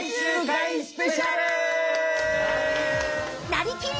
「なりきり！